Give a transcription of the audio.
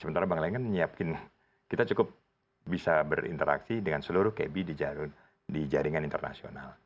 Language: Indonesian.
sementara bank lain kan menyiapkan kita cukup bisa berinteraksi dengan seluruh kb di jaringan internasional